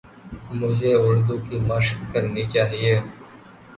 مجھے اردو کی مَشق کرنی چاہیے